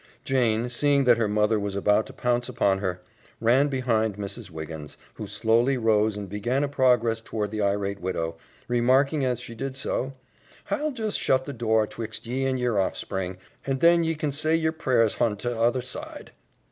Jane, seeing that her mother was about to pounce upon her, ran behind Mrs. Wiggins, who slowly rose and began a progress toward the irate widow, remarking as she did so, "Hi'll just shut the door 'twixt ye and yer hoffspring, and then ye kin say yer prayers hon the t'other side."